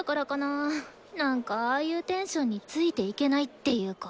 なんかああいうテンションについていけないっていうか。